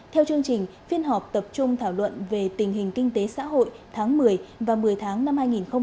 theo chương trình phiên họp tập trung thảo luận về tình hình kinh tế xã hội tháng một mươi và một mươi tháng năm hai nghìn hai mươi